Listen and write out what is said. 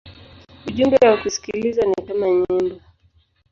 Ujumbe wa kusikiliza ni kama nyimbo.